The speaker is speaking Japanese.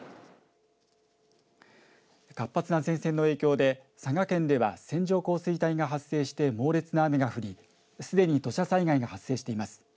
活発な前線の影響で佐賀県では線状降水帯が発生して猛烈な雨が降りすでに土砂災害が発生しています。